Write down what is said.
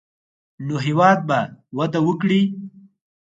نو هېواد به وده وکړي.